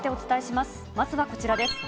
まずはこちらです。